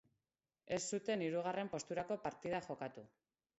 Ez zuten hirugarren posturako partida jokatu.